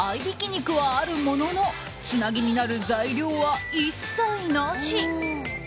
肉はあるもののつなぎになる材料は一切なし！